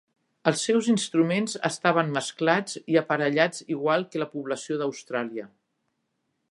Els seus instruments estaven mesclats i aparellats igual que la població d'Austràlia.